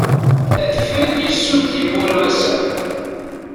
Adfel yessud tiwwura ass-a.